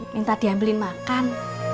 minta diambilin makan